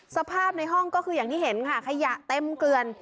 สภาพในห้องก็คืออย่างที่เห็นค่ะขยะเต็มเกลือน